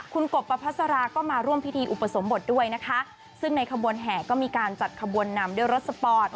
คุณกบประพัสราก็มาร่วมพิธีอุปสมบทด้วยนะคะซึ่งในขบวนแห่ก็มีการจัดขบวนนำด้วยรถสปอร์ต